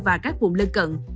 và các vùng lân cận